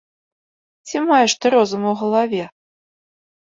Ці маеш ты розум у галаве!